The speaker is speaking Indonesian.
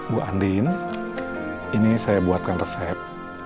bu andin ini saya buatkan resep